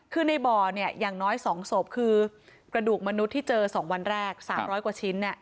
คือในบ่อเนี่ยอย่างน้อย๒ศพคือกระดูกมนุษย์ที่เจอ๒วันแรก๓๐๐กว่าชิ้น